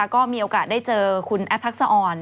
ก็มีโอกาสได้เจอคุณแอฟทักษะอ่อน